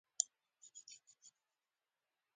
د مصر انقلاب ته د پوځي افسرانو لخوا کودتا وکتل شي.